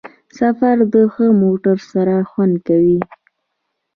سفر د ښه موټر سره خوند کوي.